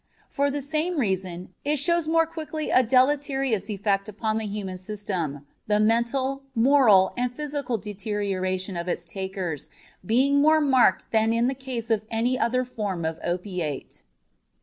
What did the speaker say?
For the same reason it shows more quickly a deleterious effect upon the human system, the mental, moral and physical deterioration of its takers being more marked than in the case of any other form of opiate.